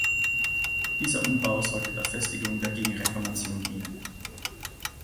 Dieser Umbau sollte der Festigung der Gegenreformation dienen.